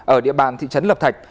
ở địa bàn thị trấn lập thạch